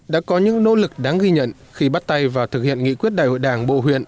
đã có những nỗ lực đáng ghi nhận khi bắt tay vào thực hiện nghị quyết đại hội đảng bộ huyện